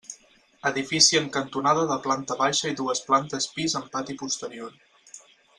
Edifici en cantonada de planta baixa i dues plantes pis amb pati posterior.